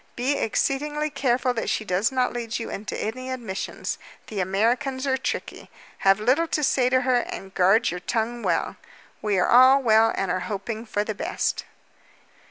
Be exceedingly careful that she does not lead you into any admissions. The Americans are tricky. Have little to say to her, and guard your tongue well. We are all well and are hoping for the best.'"